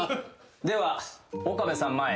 では岡部さん前へ。